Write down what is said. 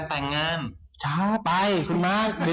อันนั้นแล้วแต่บุคคล